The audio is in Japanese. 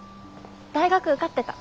大学受かってた。